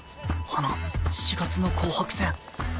あの４月の紅白戦。